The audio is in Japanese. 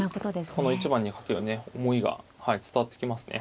この一番に懸けるね思いが伝わってきますね。